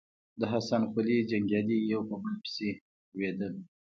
د حسن قلي جنګيالي يو په بل پسې لوېدل.